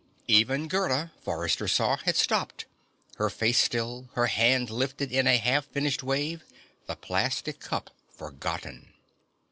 Even Gerda, Forrester saw, had stopped, her face still, her hand lifted in a half finished wave, the plastic cup forgotten.